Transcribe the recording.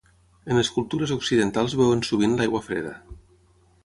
En les cultures occidentals beuen sovint l'aigua freda.